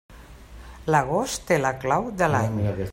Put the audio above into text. L'agost té la clau de l'any.